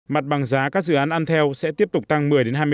mặt bằng giá các dự án ăn theo sẽ tiếp tục tăng một mươi hai mươi năm